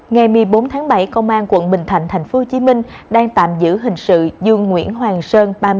ngày một mươi bốn tháng bảy công an quận bình thạnh tp hcm đang tạm giữ hình sự dương nguyễn hoàng sơn